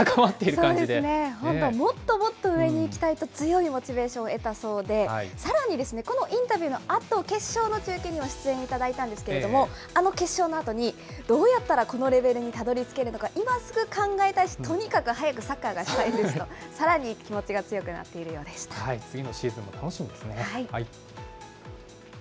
そうですね、本当もっともっと上に行きたいと強いモチベーションを得たそうで、さらにですね、このインタビューのあと、決勝の中継にも出演をいただいたんですけれども、あの決勝のあとに、どうやったらこのレベルにたどりつけるのか、今すぐ考えたいし、とにかく早くサッカーがしたいんですと、さらに気持ちが強く次のシーズンも楽しみですね。